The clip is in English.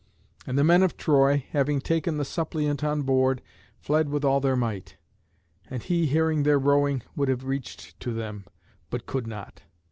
And the men of Troy, having taken the suppliant on board, fled with all their might; and he hearing their rowing would have reached to them, but could not.